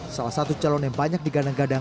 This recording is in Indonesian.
salah satu calon yang banyak digandang gandang